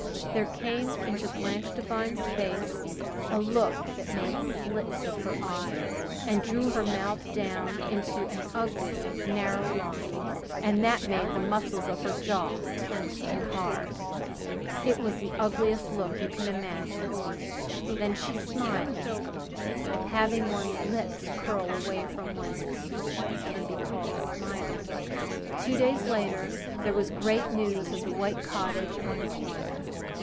There came into Blanche Devine's face a look that made slits of her eyes, and drew her mouth down into an ugly, narrow line, and that made the muscles of her jaw tense and hard. It was the ugliest look you can imagine. Then she smiled if having one's lips curl away from one's teeth can be called smiling. Two days later there was great news of the white cottage on the corner.